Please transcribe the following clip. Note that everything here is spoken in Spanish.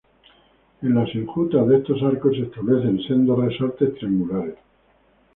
En las enjutas de estos arcos se establecen sendos resaltes triangulares.